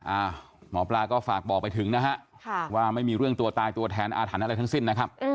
หมอปลาก็ฝากบอกไปถึงนะฮะค่ะว่าไม่มีเรื่องตัวตายตัวแทนอาถรรพ์อะไรทั้งสิ้นนะครับ